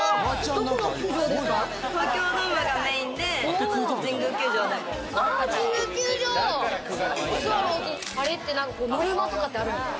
どこの球場ですか？